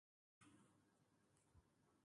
নিসার আলি বললেন, এমন করে তাকাচ্ছ কেন?